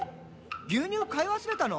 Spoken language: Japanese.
牛乳買い忘れたの？」